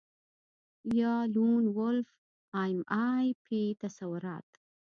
یا لون وولف ایم آی پي تصورات